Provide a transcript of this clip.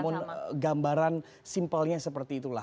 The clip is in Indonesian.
namun gambaran simpelnya seperti itulah